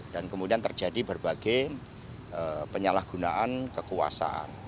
dan kemudian terjadi berbagai penyalahgunaan kekuasaan